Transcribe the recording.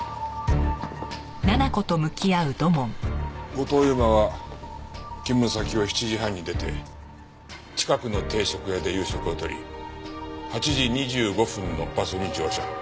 後藤佑馬は勤務先を７時半に出て近くの定食屋で夕食をとり８時２５分のバスに乗車。